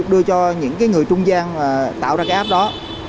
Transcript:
đưa cho những cái người trung gian tạo ra cái app đó